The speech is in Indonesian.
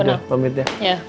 udah udah pamit ya